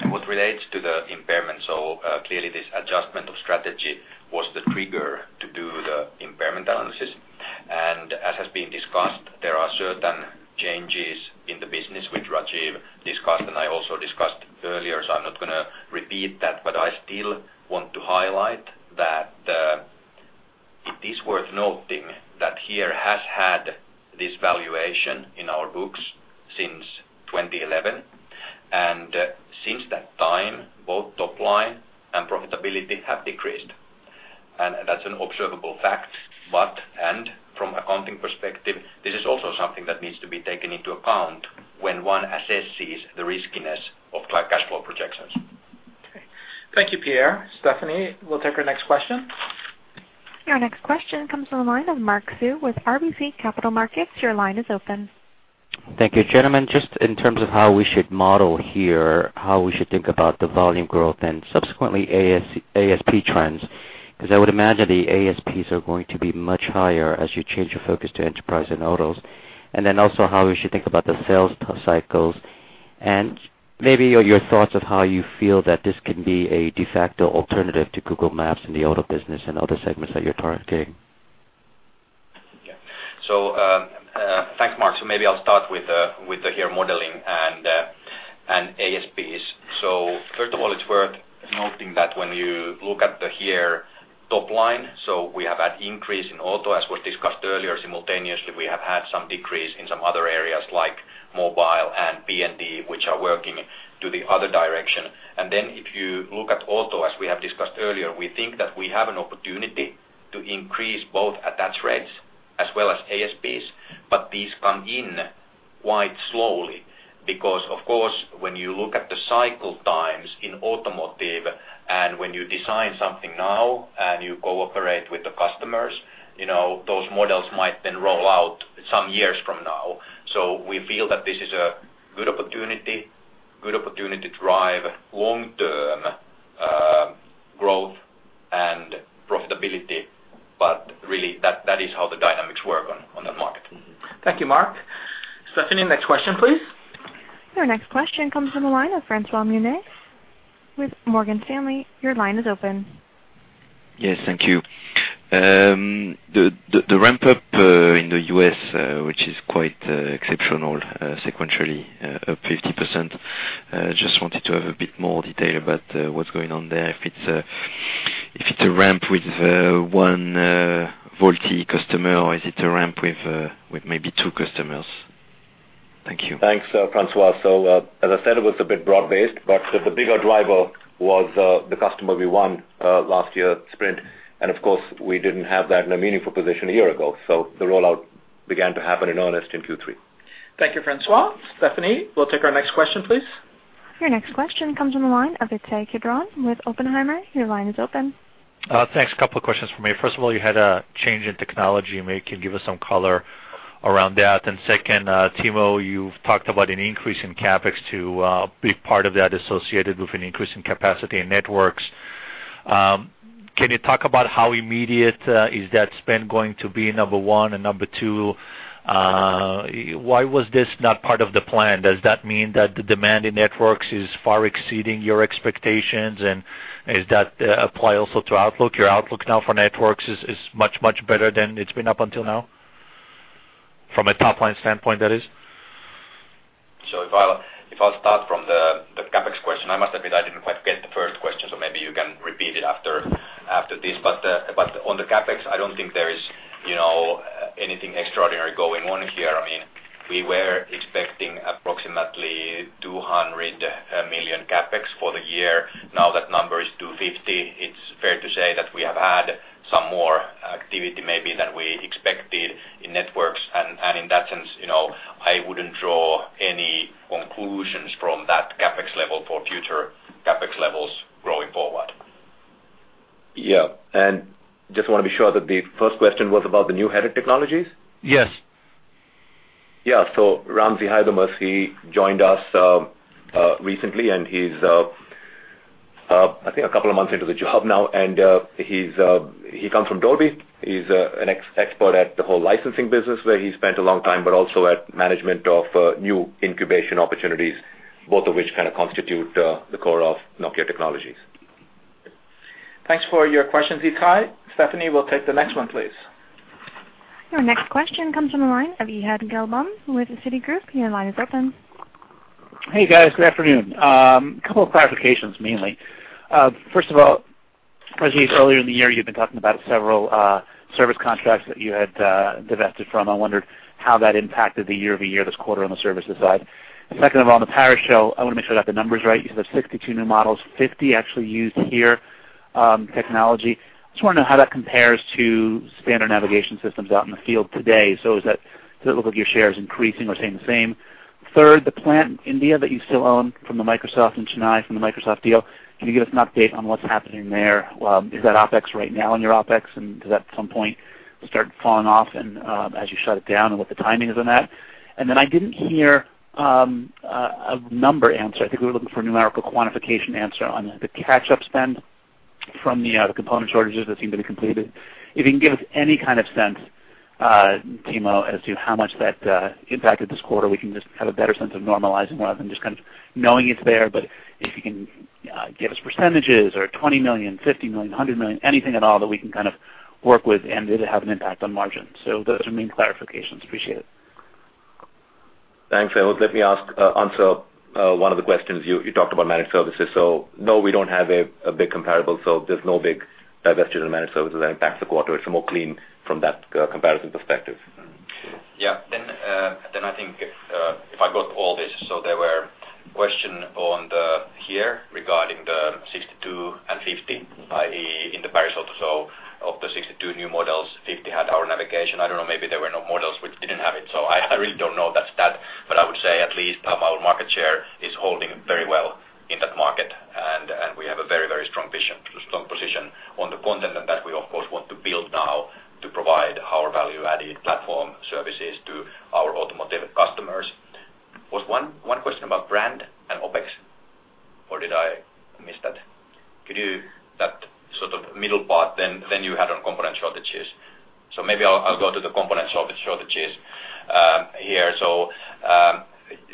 And what relates to the impairments, so clearly, this adjustment of strategy was the trigger to do the impairment analysis. And as has been discussed, there are certain changes in the business which Rajeev discussed, and I also discussed earlier, so I'm not going to repeat that, but I still want to highlight that it is worth noting that HERE has had this valuation in our books since 2011. And since that time, both top line and profitability have decreased, and that's an observable fact. But from an accounting perspective, this is also something that needs to be taken into account when one assesses the riskiness of cash flow projections. Okay. Thank you, Pierre. Stephanie, we'll take our next question. Your next question comes on the line of Mark Sue with RBC Capital Markets. Your line is open. Thank you, gentlemen. Just in terms of how we should model here, how we should think about the volume growth and subsequently ASP trends because I would imagine the ASPs are going to be much higher as you change your focus to enterprise and autos, and then also how we should think about the sales cycles and maybe your thoughts of how you feel that this can be a de facto alternative to Google Maps in the auto business and other segments that you're targeting? Yeah. So thanks, Mark. So maybe I'll start with the HERE modeling and ASPs. So first of all, it's worth noting that when you look at the HERE top line, so we have had increase in auto, as was discussed earlier. Simultaneously, we have had some decrease in some other areas like mobile and PND, which are working to the other direction. And then if you look at auto, as we have discussed earlier, we think that we have an opportunity to increase both attach rates as well as ASPs, but these come in quite slowly because, of course, when you look at the cycle times in automotive and when you design something now and you cooperate with the customers, those models might then roll out some years from now. We feel that this is a good opportunity, good opportunity to drive long-term growth and profitability, but really, that is how the dynamics work on that market. Thank you, Mark. Stephanie, next question, please. Your next question comes on the line of François Meunier with Morgan Stanley. Your line is open. Yes. Thank you. The ramp-up in the U.S., which is quite exceptional, sequentially up 50%. I just wanted to have a bit more detail about what's going on there, if it's a ramp with one VoLTE customer or is it a ramp with maybe two customers. Thank you. Thanks, François. So as I said, it was a bit broad-based, but the bigger driver was the customer we won last year's Sprint. And of course, we didn't have that in a meaningful position a year ago, so the rollout began to happen in earnest in Q3. Thank you, François. Stephanie, we'll take our next question, please. Your next question comes on the line of Itay Kidron with Oppenheimer. Your line is open. Thanks. A couple of questions for me. First of all, you had a change in technology. Maybe you can give us some color around that. And second, Timo, you've talked about an increase in CapEx. A big part of that associated with an increase in capacity in Networks. Can you talk about how immediate is that spend going to be, number one and number two? Why was this not part of the plan? Does that mean that the demand in Networks is far exceeding your expectations, and does that apply also to outlook? Your outlook now for Networks is much, much better than it's been up until now from a top-line standpoint, that is? So if I start from the CapEx question, I must admit I didn't quite get the first question, so maybe you can repeat it after this. But on the CapEx, I don't think there is anything extraordinary going on here. I mean, we were expecting approximately 200 million CapEx for the year. Now that number is 250 million, it's fair to say that we have had some more activity maybe than we expected in Networks. And in that sense, I wouldn't draw any conclusions from that CapEx level for future CapEx levels going forward. Yeah. And just want to be sure that the first question was about the new head of Technologies? Yes. Yeah. So Ramzi Haidamus, he joined us recently, and he's, I think, a couple of months into the job now. And he comes from Dolby. He's an expert at the whole licensing business where he spent a long time, but also at management of new incubation opportunities, both of which kind of constitute the core of Nokia Technologies. Thanks for your questions, Itay. Stephanie, we'll take the next one, please. Your next question comes on the line of Ehud Gelblum with Citigroup. Your line is open. Hey, guys. Good afternoon. A couple of clarifications, mainly. First of all, Rajeev, earlier in the year, you've been talking about several service contracts that you had divested from. I wondered how that impacted the year-over-year, this quarter, on the services side. Second of all, on the Paris Show, I want to make sure I got the numbers right. You said there's 62 new models, 50 actually used HERE technology. I just want to know how that compares to standard navigation systems out in the field today. So does it look like your share is increasing or staying the same? Third, the plant in India that you still own from the Microsoft and Chennai from the Microsoft deal, can you give us an update on what's happening there? Is that OpEx right now in your OpEx, and does that at some point start falling off as you shut it down and what the timing is on that? Then I didn't hear a number answer. I think we were looking for a numerical quantification answer on the catch-up spend from the component shortages that seem to be completed. If you can give us any kind of sense, Timo, as to how much that impacted this quarter, we can just have a better sense of normalizing rather than just kind of knowing it's there. But if you can give us percentages or 20 million, 50 million, 100 million, anything at all that we can kind of work with and did it have an impact on margins. Those are main clarifications. Appreciate it. Thanks, Timo. Let me answer one of the questions. You talked about managed services. So no, we don't have a big comparable, so there's no big divestiture in managed services that impacts the quarter. It's more clean from that comparison perspective. Yeah. Then I think if I got all this, so there were questions on the HERE regarding the 62 and 50, i.e., in the Paris Show, so of the 62 new models, 50 had our navigation. I don't know. Maybe there were no models which didn't have it, so I really don't know that's that. But I would say at least our market share is holding very well in that market, and we have a very, very strong position on the content and that we, of course, want to build now to provide our value-added platform services to our automotive customers. There was one question about brand and OpEx, or did I miss that? Could you that sort of middle part then you had on component shortages? So maybe I'll go to the component shortages here. So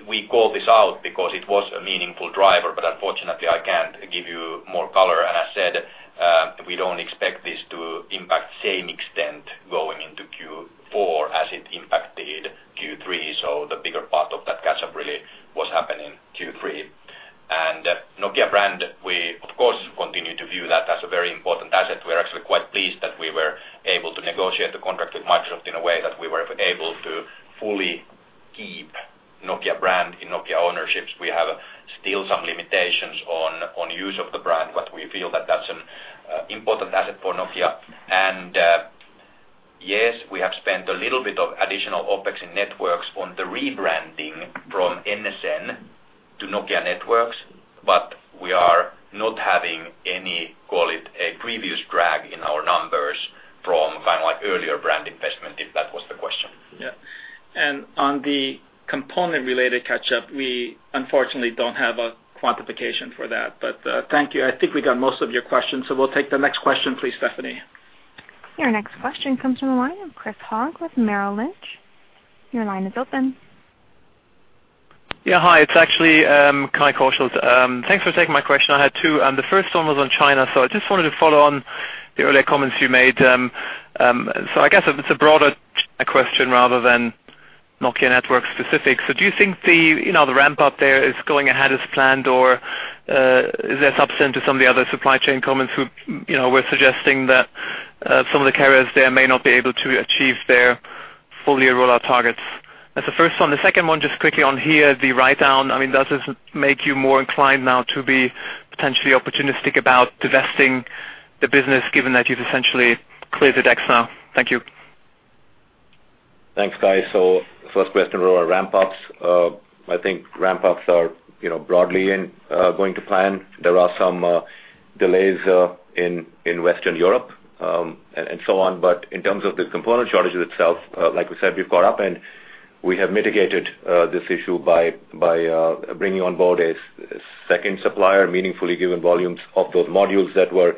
we called this out because it was a meaningful driver, but unfortunately, I can't give you more color. And as said, we don't expect this to impact the same extent going into Q4 as it impacted Q3. So the bigger part of that catch-up really was happening Q3. And Nokia brand, we, of course, continue to view that as a very important asset. We are actually quite pleased that we were able to negotiate the contract with Microsoft in a way that we were able to fully keep Nokia brand in Nokia ownership. We have still some limitations on use of the brand, but we feel that that's an important asset for Nokia. Yes, we have spent a little bit of additional OpEx in Networks on the rebranding from NSN to Nokia Networks, but we are not having any, call it, a previous drag in our numbers from kind of earlier brand investment, if that was the question. Yeah. And on the component-related catch-up, we unfortunately don't have a quantification for that, but thank you. I think we got most of your questions, so we'll take the next question, please, Stephanie. Your next question comes on the line of Chris Haug with Merrill Lynch. Your line is open. Yeah. Hi. It's actually Kai Korschelt. Thanks for taking my question. I had two. The first one was on China, so I just wanted to follow on the earlier comments you made. So I guess it's a broader China question rather than Nokia Networks specific. So do you think the ramp-up there is going ahead as planned, or is there substance to some of the other supply chain comments who were suggesting that some of the carriers there may not be able to achieve their fully roll-out targets? That's the first one. The second one, just quickly on HERE, the write-down, I mean, does this make you more inclined now to be potentially opportunistic about divesting the business given that you've essentially cleared the deck now? Thank you. Thanks, guys. So first question, there were ramp-ups. I think ramp-ups are broadly going to plan. There are some delays in Western Europe and so on. But in terms of the component shortages itself, like we said, we've caught up, and we have mitigated this issue by bringing onboard a second supplier, meaningfully given volumes of those modules that were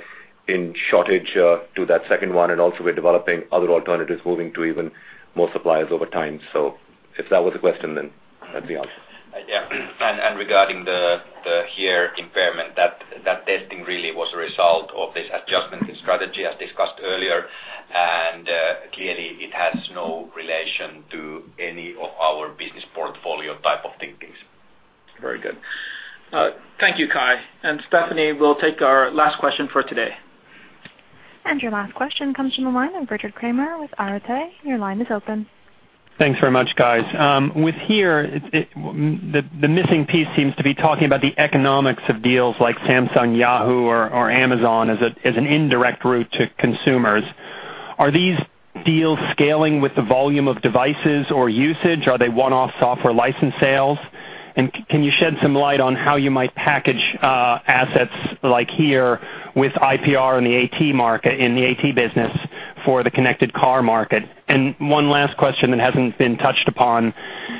in shortage to that second one. And also, we're developing other alternatives, moving to even more suppliers over time. So if that was the question, then that's the answer. Yeah. And regarding the HERE impairment, that testing really was a result of this adjustment in strategy, as discussed earlier, and clearly, it has no relation to any of our business portfolio type of thinkings. Very good. Thank you, Kai. Stephanie, we'll take our last question for today. Your last question comes on the line of Richard Kramer with Arete. Your line is open. Thanks very much, guys. With HERE, the missing piece seems to be talking about the economics of deals like Samsung, Yahoo, or Amazon as an indirect route to consumers. Are these deals scaling with the volume of devices or usage? Are they one-off software license sales? And can you shed some light on how you might package assets like HERE with IPR in the N.T. business for the connected car market? And one last question that hasn't been touched upon.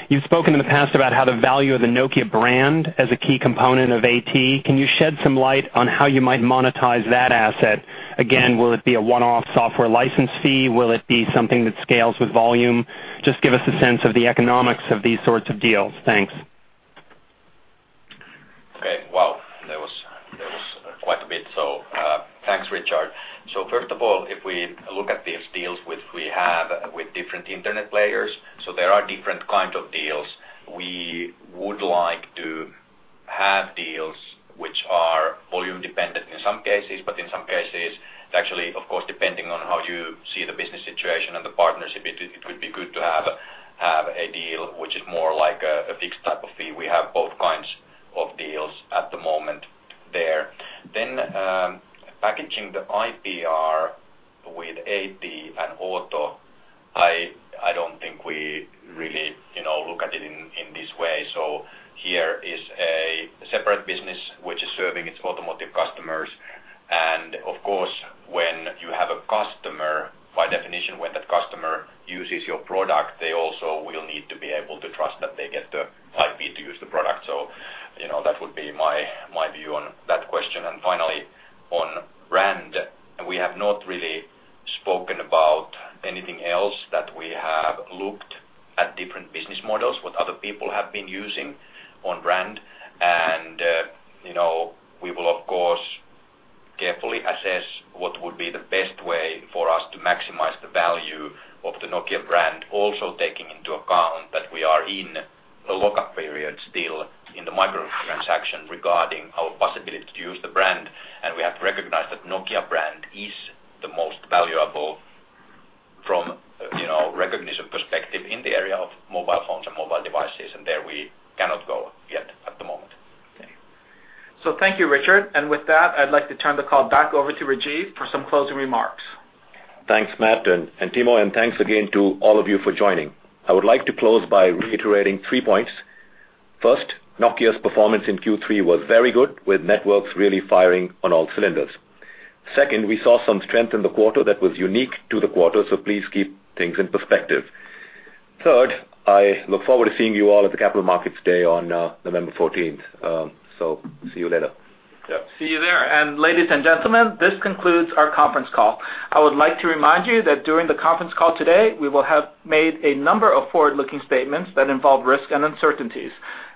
You've spoken in the past about how the value of the Nokia brand as a key component of AT. Can you shed some light on how you might monetize that asset? Again, will it be a one-off software license fee? Will it be something that scales with volume? Just give us a sense of the economics of these sorts of deals. Thanks. Okay. Well, there was quite a bit. Thanks, Richard. First of all, if we look at these deals which we have with different internet players, there are different kinds of deals. We would like to have deals which are volume-dependent in some cases, but in some cases, actually, of course, depending on how you see the business situation and the partnership, it would be good to have a deal which is more like a fixed type of fee. We have both kinds of deals at the moment there. Then And with that, I'd like to turn the call back over to Rajeev for some closing remarks. Thanks, Matt. And Timo, and thanks again to all of you for joining. I would like to close by reiterating three points. First, Nokia's performance in Q3 was very good, with Networks really firing on all cylinders. Second, we saw some strength in the quarter that was unique to the quarter, so please keep things in perspective. Third, I look forward to seeing you all at the Capital Markets Day on November 14th. So see you later. Yeah. See you there. Ladies and gentlemen, this concludes our conference call. I would like to remind you that during the conference call today, we will have made a number of forward-looking statements that involve risk and uncertainties.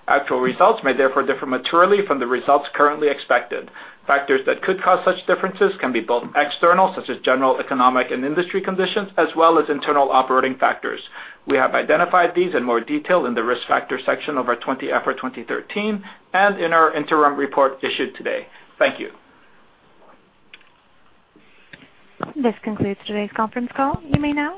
Actual results may therefore differ materially from the results currently expected. Factors that could cause such differences can be both external, such as general economic and industry conditions, as well as internal operating factors. We have identified these in more detail in the risk factor section of our 20-F for 2013 and in our interim report issued today. Thank you. This concludes today's conference call. You may now.